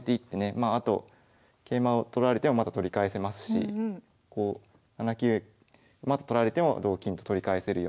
まああと桂馬を取られてはまた取り返せますし７九馬と取られても同金と取り返せるように。